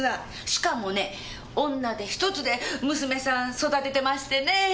しかもね女手ひとつで娘さん育ててましてねえ。